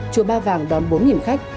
chùa ba vàng đón bốn khách